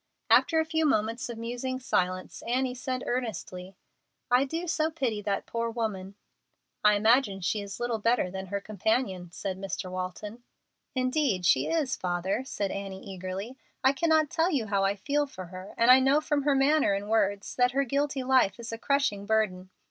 After a few moments of musing silence, Annie said, earnestly, "I do so pity that poor woman!" "I imagine she is little better than her companion," said Mr. Walton. "Indeed she is, father," said Annie, eagerly. "I cannot tell you how I feel for her, and I know from her manner and words that her guilty life is a crushing burden.